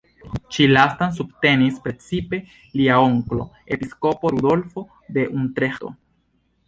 Ĉi lastan subtenis precipe lia onklo, Episkopo Rudolfo de Utreĥto.